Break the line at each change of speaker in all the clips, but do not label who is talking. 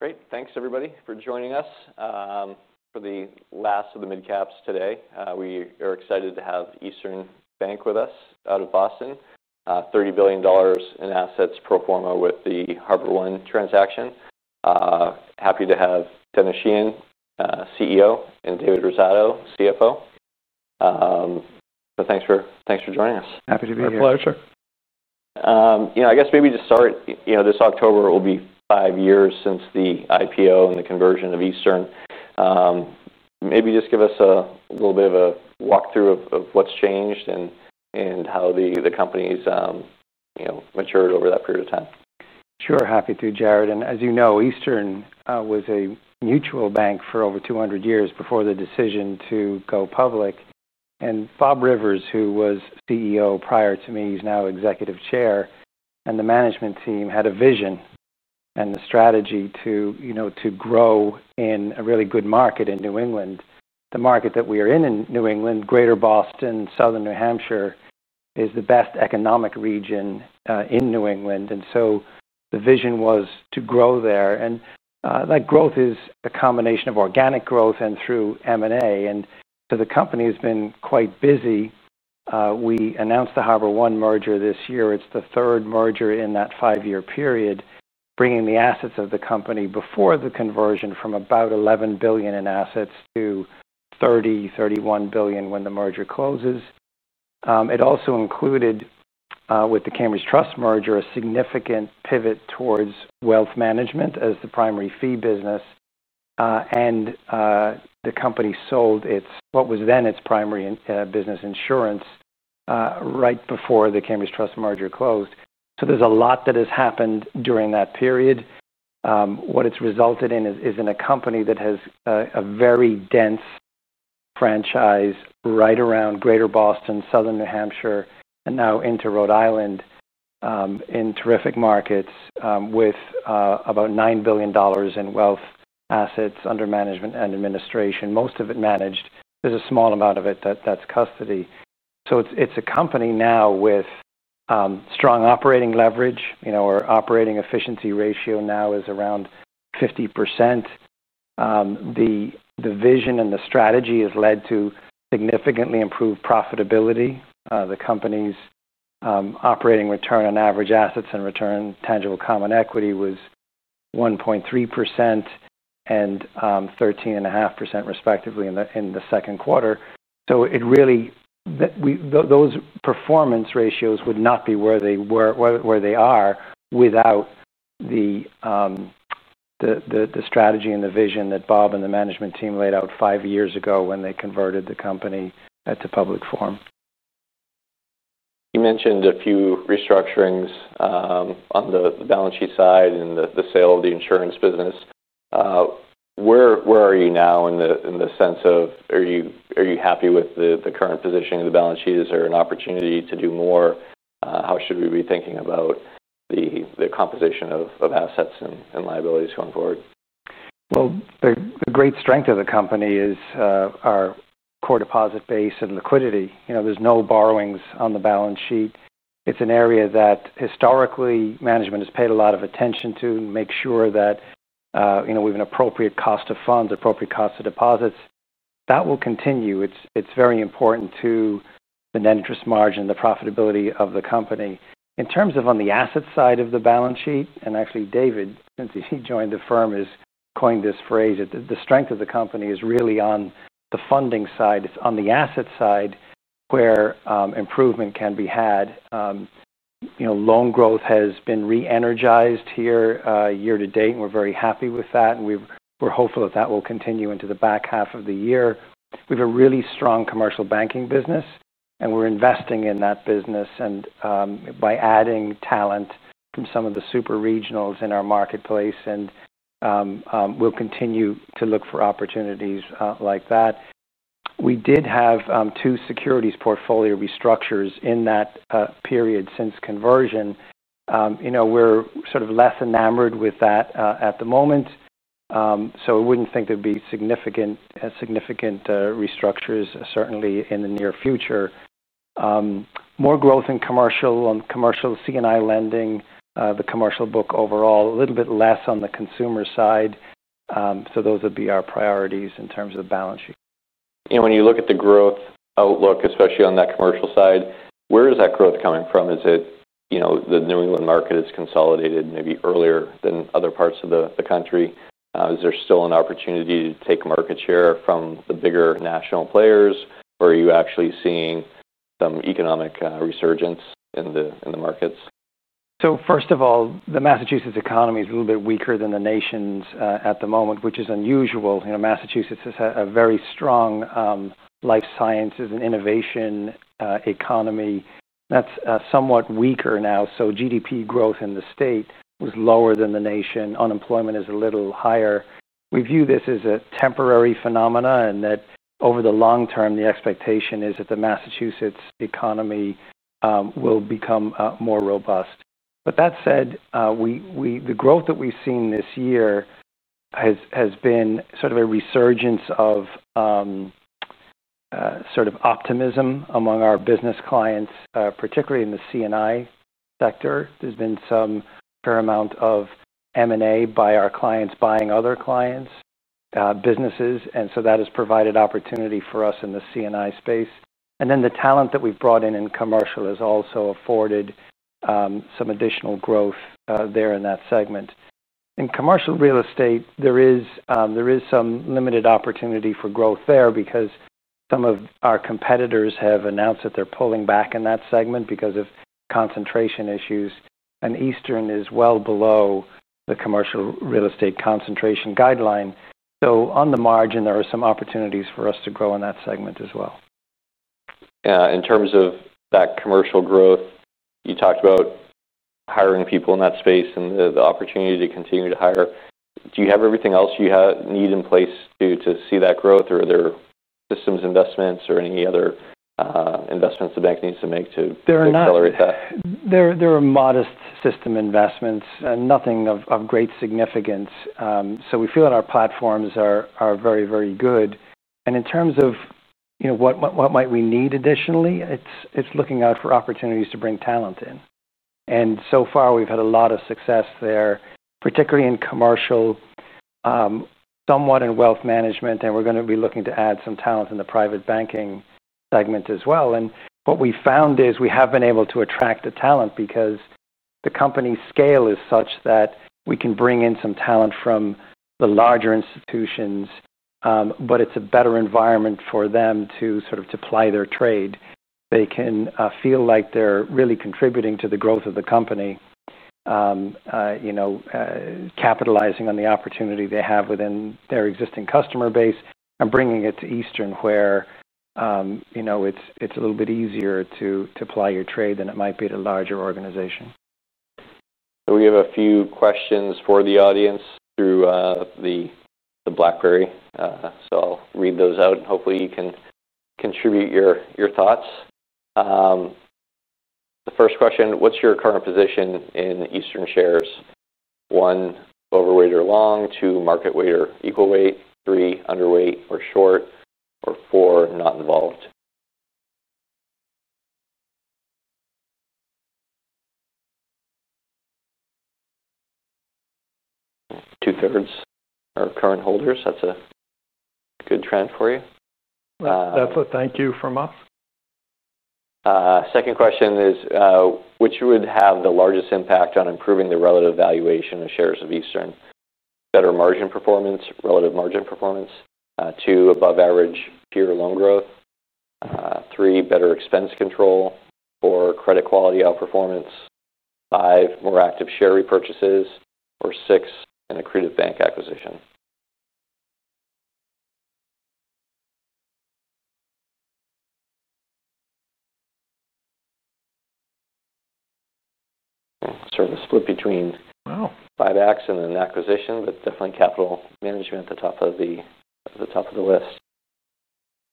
Great. Thanks, everybody, for joining us for the last of the midcaps today. We are excited to have Eastern Bankshares, Inc. with us out of Boston. $30 billion in assets pro forma with the HarborOne transaction. Happy to have Denis Sheahan, CEO, and David Rosato, CFO. Thanks for joining us.
Happy to be here.
My pleasure.
I guess maybe to start, this October it will be five years since the IPO and the conversion of Eastern. Maybe just give us a little bit of a walkthrough of what's changed and how the companies matured over that period of time.
Sure. Happy to, Jared. As you know, Eastern was a mutual bank for over 200 years before the decision to go public. Bob Rivers, who was CEO prior to me, is now Executive Chair, and the management team had a vision and the strategy to grow in a really good market in New England. The market that we are in in New England, Greater Boston, Southern New Hampshire, is the best economic region in New England. The vision was to grow there. That growth is a combination of organic growth and through M&A. The company has been quite busy. We announced the HarborOne merger this year. It's the third merger in that five-year period, bringing the assets of the company before the conversion from about $11 billion in assets to $30 billion, $31 billion when the merger closes. It also included, with the Cambridge Trust merger, a significant pivot towards wealth management as the primary fee business. The company sold what was then its primary business insurance right before the Cambridge Trust merger closed. There's a lot that has happened during that period. What it's resulted in is a company that has a very dense franchise right around Greater Boston, Southern New Hampshire, and now into Rhode Island, in terrific markets, with about $9 billion in wealth assets under management and administration, most of it managed. There's a small amount of it that's custody. It's a company now with strong operating leverage. Our operating efficiency ratio now is around 50%. The vision and the strategy has led to significantly improved profitability. The company's operating return on average assets and return on tangible common equity was 1.3% and 13.5% respectively in the second quarter. Those performance ratios would not be where they are without the strategy and the vision that Bob and the management team laid out five years ago when they converted the company to public form.
You mentioned a few restructurings on the balance sheet side and the sale of the insurance business. Where are you now in the sense of are you happy with the current positioning of the balance sheet? Is there an opportunity to do more? How should we be thinking about the composition of assets and liabilities going forward?
A great strength of the company is our core deposit base and liquidity. There's no borrowings on the balance sheet. It's an area that historically management has paid a lot of attention to and makes sure that we have an appropriate cost of funds, appropriate cost of deposits. That will continue. It's very important to the net interest margin, the profitability of the company. In terms of on the asset side of the balance sheet, and actually David, since he joined the firm, has coined this phrase that the strength of the company is really on the funding side. It's on the asset side where improvement can be had. Loan growth has been re-energized here, year to date, and we're very happy with that. We're hopeful that that will continue into the back half of the year. We have a really strong commercial banking business, and we're investing in that business by adding talent from some of the super regionals in our marketplace. We'll continue to look for opportunities like that. We did have two securities portfolio restructures in that period since conversion. We're sort of less enamored with that at the moment, so I wouldn't think there'd be significant restructures certainly in the near future. More growth in commercial, on commercial C&I lending, the commercial book overall, a little bit less on the consumer side. Those would be our priorities in terms of the balance sheet.
When you look at the growth outlook, especially on that commercial side, where is that growth coming from? Is it, you know, the New England market is consolidated maybe earlier than other parts of the country? Is there still an opportunity to take market share from the bigger national players, or are you actually seeing some economic resurgence in the markets?
First of all, the Massachusetts economy is a little bit weaker than the nation's at the moment, which is unusual. Massachusetts has a very strong life sciences and innovation economy. That's somewhat weaker now. GDP growth in the state was lower than the nation. Unemployment is a little higher. We view this as a temporary phenomenon and that over the long term, the expectation is that the Massachusetts economy will become more robust. That said, the growth that we've seen this year has been sort of a resurgence of optimism among our business clients, particularly in the C&I sector. There's been some fair amount of M&A by our clients buying other clients' businesses, and that has provided opportunity for us in the C&I space. The talent that we've brought in in commercial has also afforded some additional growth there in that segment. In commercial real estate, there is some limited opportunity for growth there because some of our competitors have announced that they're pulling back in that segment because of concentration issues. Eastern is well below the commercial real estate concentration guideline. On the margin, there are some opportunities for us to grow in that segment as well.
Yeah. In terms of that commercial growth, you talked about hiring people in that space and the opportunity to continue to hire. Do you have everything else you need in place to see that growth, or are there systems investments or any other investments the bank needs to make to accelerate that?
There are modest system investments and nothing of great significance. We feel that our platforms are very, very good. In terms of what we might need additionally, it's looking out for opportunities to bring talent in. We have had a lot of success there, particularly in commercial, somewhat in wealth management. We're going to be looking to add some talent in the private banking segment as well. What we found is we have been able to attract the talent because the company's scale is such that we can bring in some talent from the larger institutions. It's a better environment for them to ply their trade. They can feel like they're really contributing to the growth of the company, capitalizing on the opportunity they have within their existing customer base and bringing it to Eastern, where it's a little bit easier to ply your trade than it might be at a larger organization.
We have a few questions for the audience through the BlackBerry. I'll read those out and hopefully you can contribute your thoughts. The first question, what's your current position in Eastern Bankshares? One, overweight or long. Two, market weight or equal weight. Three, underweight or short. Four, not involved. Two-thirds are current holders. That's a good trend for you.
That's a thank you from us.
Second question is, which would have the largest impact on improving the relative valuation of shares of Eastern? Better margin performance, relative margin performance? Two, above average pure loan growth? Three, better expense control? Four, credit quality outperformance? Five, more active share repurchases? Or six, an accrued bank acquisition? Sort of a split between, wow, 5X and an acquisition, but definitely capital management at the top of the list.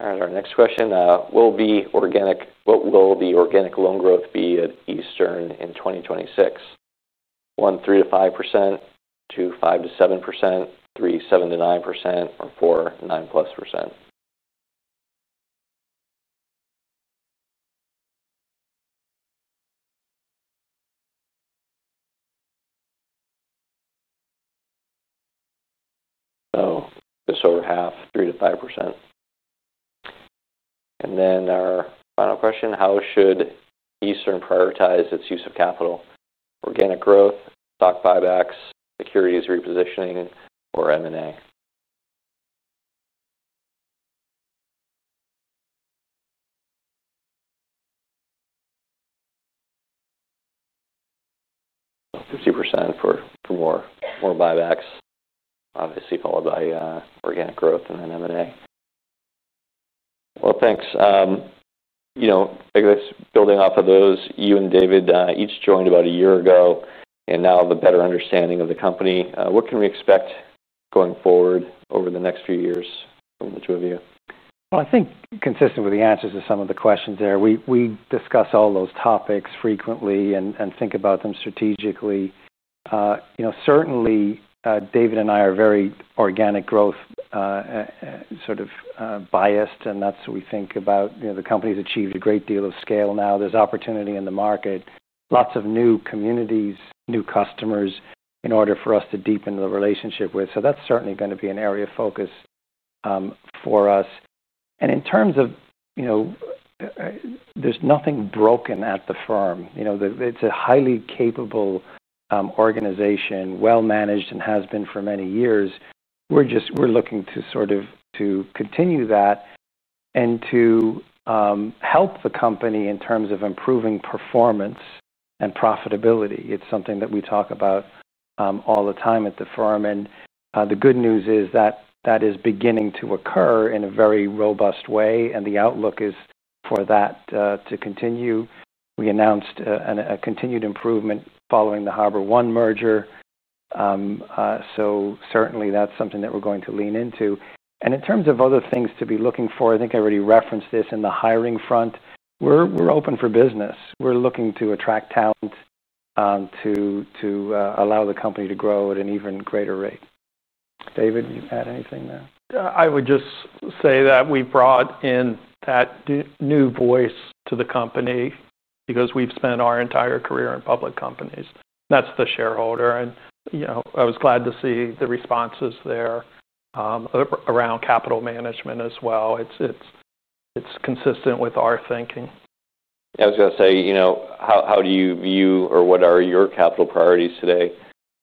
All right. Our next question, what will the organic loan growth be at Eastern in 2026? One, 3% to 5%? Two, 5% to 7%? Three, 7% to 9%? Or four, 9% plus percent? Oh, it's over half, 3% to 5%. And then our final question, how should Eastern prioritize its use of capital? Organic growth, stock 5X, securities repositioning, or M&A? Oh, 50% for more 5X, obviously followed by organic growth and then M&A. Thanks. I guess building off of those, you and David, each joined about a year ago, and now have a better understanding of the company. What can we expect going forward over the next few years from the two of you?
I think consistent with the answers to some of the questions there, we discuss all those topics frequently and think about them strategically. You know, certainly, David and I are very organic growth, sort of, biased, and that's what we think about. The company's achieved a great deal of scale now. There's opportunity in the market, lots of new communities, new customers in order for us to deepen the relationship with. That's certainly going to be an area of focus for us. In terms of, you know, there's nothing broken at the firm. It's a highly capable organization, well managed, and has been for many years. We're just looking to sort of continue that and to help the company in terms of improving performance and profitability. It's something that we talk about all the time at the firm. The good news is that is beginning to occur in a very robust way, and the outlook is for that to continue. We announced a continued improvement following the HarborOne Bancorp, Inc. merger. Certainly that's something that we're going to lean into. In terms of other things to be looking for, I think I already referenced this in the hiring front. We're open for business. We're looking to attract talent to allow the company to grow at an even greater rate. David, you had anything there?
I would just say that we brought in that new voice to the company because we've spent our entire career in public companies. That's the shareholder. I was glad to see the responses there, around capital management as well. It's consistent with our thinking.
Yeah. I was going to say, you know, how do you view or what are your capital priorities today?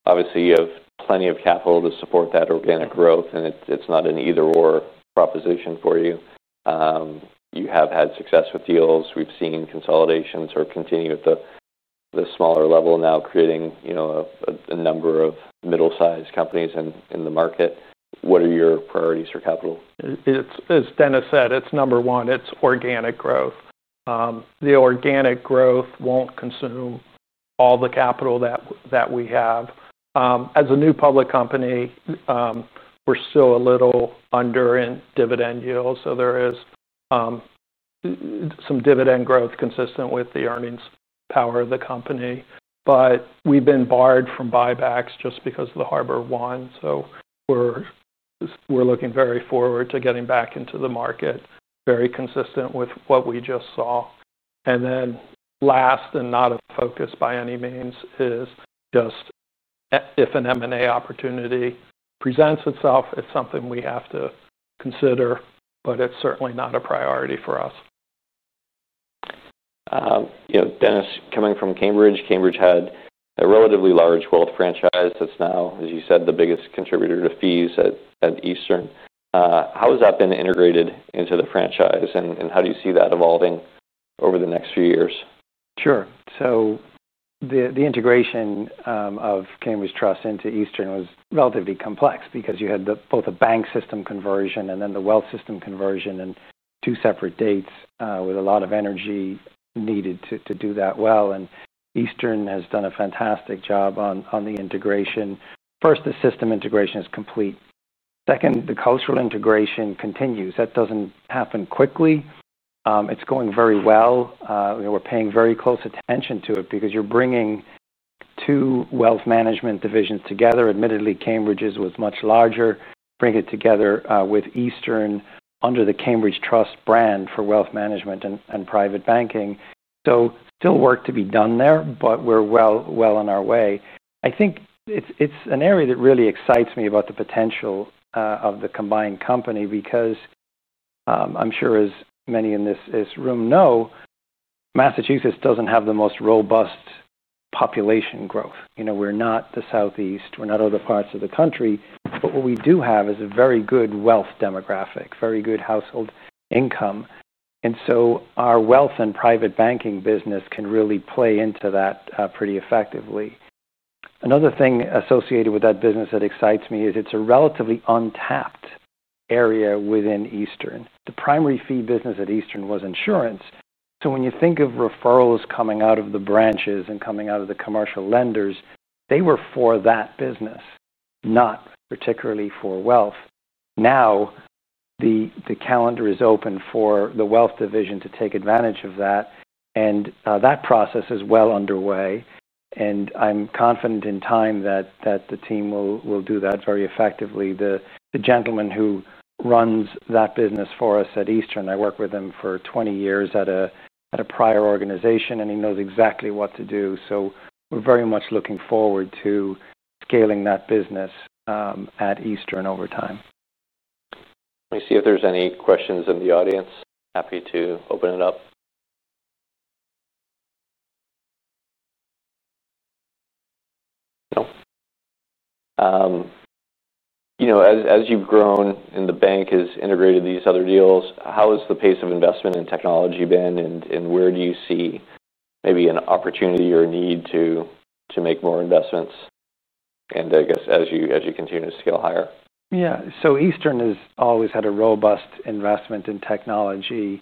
Obviously, you have plenty of capital to support that organic growth, and it's not an either-or proposition for you. You have had success with deals. We've seen consolidation sort of continue at the smaller level, now creating, you know, a number of middle-sized companies in the market. What are your priorities for capital?
It's, as Denis said, it's number one. It's organic growth. The organic growth won't consume all the capital that we have. As a new public company, we're still a little under in dividend yields. There is some dividend growth consistent with the earnings power of the company. We've been barred from buybacks just because of the HarborOne. We're looking very forward to getting back into the market, very consistent with what we just saw. Last, and not a focus by any means, is just if an M&A opportunity presents itself, it's something we have to consider, but it's certainly not a priority for us.
You know, Denis, coming from Cambridge, Cambridge had a relatively large wealth franchise. It's now, as you said, the biggest contributor to fees at Eastern. How has that been integrated into the franchise, and how do you see that evolving over the next few years?
Sure. The integration of Cambridge Trust into Eastern was relatively complex because you had both a bank system conversion and then the wealth system conversion on two separate dates, with a lot of energy needed to do that well. Eastern has done a fantastic job on the integration. First, the system integration is complete. Second, the cultural integration continues. That doesn't happen quickly. It's going very well. We're paying very close attention to it because you're bringing two wealth management divisions together. Admittedly, Cambridge's was much larger. Bringing it together with Eastern under the Cambridge Trust brand for wealth management and private banking. Still work to be done there, but we're well on our way. I think it's an area that really excites me about the potential of the combined company because, I'm sure as many in this room know, Massachusetts doesn't have the most robust population growth. We're not the Southeast. We're not other parts of the country. What we do have is a very good wealth demographic, very good household income. Our wealth and private banking business can really play into that pretty effectively. Another thing associated with that business that excites me is it's a relatively untapped area within Eastern. The primary fee business at Eastern was insurance. When you think of referrals coming out of the branches and coming out of the commercial lenders, they were for that business, not particularly for wealth. Now, the calendar is open for the wealth division to take advantage of that. That process is well underway. I'm confident in time that the team will do that very effectively. The gentleman who runs that business for us at Eastern, I worked with him for 20 years at a prior organization, and he knows exactly what to do. We're very much looking forward to scaling that business at Eastern over time.
Let me see if there's any questions in the audience. Happy to open it up. As you've grown and the bank has integrated these other deals, how has the pace of investment in technology been, and where do you see maybe an opportunity or a need to make more investments? I guess as you continue to scale higher?
Yeah. Eastern has always had a robust investment in technology.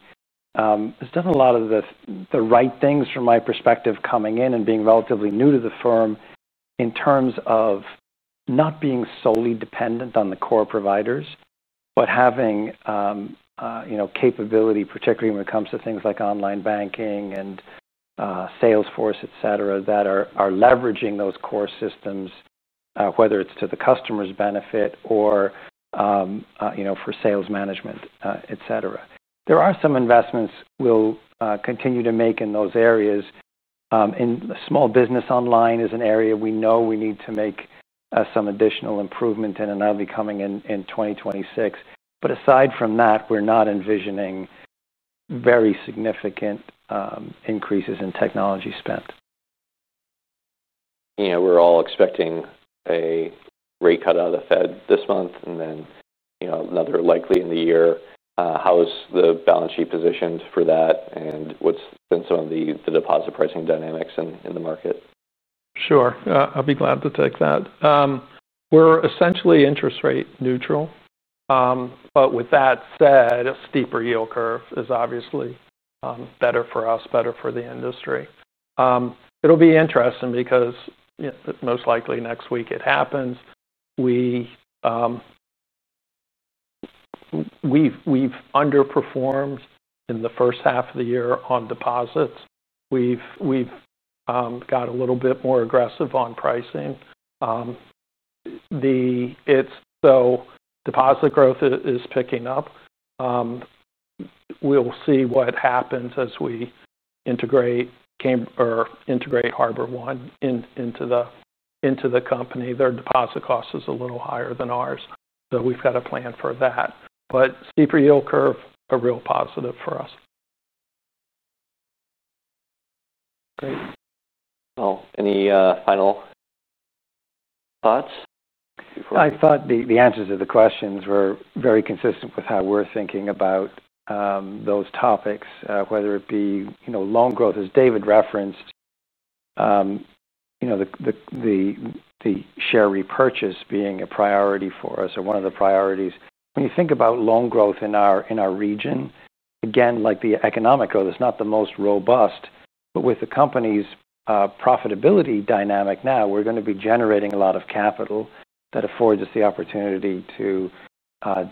It has done a lot of the right things from my perspective coming in and being relatively new to the firm in terms of not being solely dependent on the core providers, but having capability, particularly when it comes to things like online banking and Salesforce, etc., that are leveraging those core systems, whether it's to the customer's benefit or for sales management, et cetera. There are some investments we'll continue to make in those areas. Small business online is an area we know we need to make some additional improvement in, and that'll be coming in 2026. Aside from that, we're not envisioning very significant increases in technology spend.
Yeah. We're all expecting a rate cut out of the Fed this month and then, you know, another likely in the year. How is the balance sheet positioned for that, and what's been some of the deposit pricing dynamics in the market?
Sure. I'll be glad to take that. We're essentially interest rate neutral. With that said, a steeper yield curve is obviously better for us, better for the industry. It'll be interesting because, you know, most likely next week it happens. We've underperformed in the first half of the year on deposits. We've got a little bit more aggressive on pricing. Deposit growth is picking up. We'll see what happens as we integrate HarborOne into the company. Their deposit cost is a little higher than ours. We've got a plan for that. A steeper yield curve is a real positive for us.
Great. Any final thoughts?
I thought the answers to the questions were very consistent with how we're thinking about those topics, whether it be, you know, loan growth, as David referenced, the share repurchase being a priority for us or one of the priorities. When you think about loan growth in our region, again, like the economic growth, it's not the most robust, but with the company's profitability dynamic now, we're going to be generating a lot of capital that affords us the opportunity to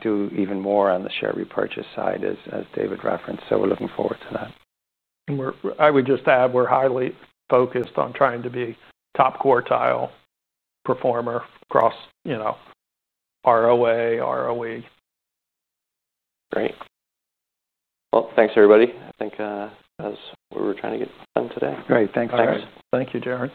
do even more on the share repurchase side, as David referenced. We're looking forward to that.
We are highly focused on trying to be top quartile performer across, you know, ROA, ROE.
Great. Thank you, everybody. I think that's what we're trying to get done today.
Great. Thanks, guys.
Thank you, Jared.